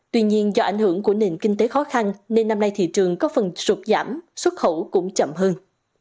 tuy nhiên do ảnh hưởng của nền kinh tế khó khăn nên năm nay thị trường có phần sụt giảm xuất khẩu cũng chậm hơn